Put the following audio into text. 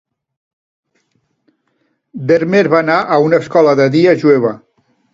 Dermer va anar a una escola de dia jueva.